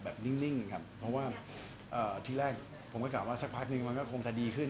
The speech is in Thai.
นิ่งครับเพราะว่าที่แรกผมก็กลับว่าสักพักนึงมันก็คงจะดีขึ้น